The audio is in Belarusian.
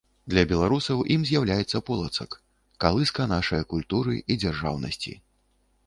Для Беларусаў ім зьяўляецца Полацак - калыска нашае культуры і дзяржаўнасьці.